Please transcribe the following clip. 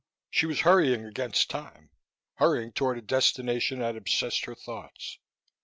She was hurrying against time, hurrying toward a destination that obsessed her thoughts.